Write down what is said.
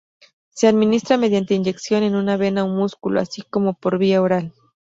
Se administra mediante inyección en una vena o músculo, así como por vía oral.